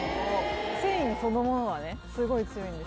繊維そのものはねすごい強いんです。